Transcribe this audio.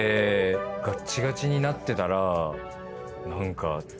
ガッチガチになってたら何か。